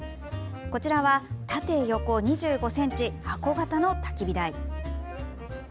こちらは、縦横２５ｃｍ箱形のたき火台。